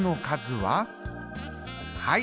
はい。